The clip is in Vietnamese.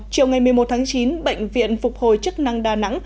chiều ngày một mươi một tháng chín bệnh viện phục hồi chức năng đà nẵng